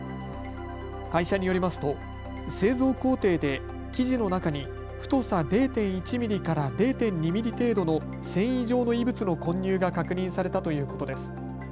会社によりますと製造工程で生地の中に太さ０．１ミリから０．２ミリ程度の繊維状の異物の混入が確認されたということです。